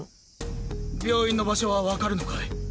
病院の場所はわかるのかい？